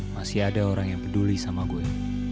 masih ada orang yang peduli sama gue